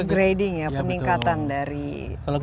upgrading ya peningkatan dari pusat pusat ini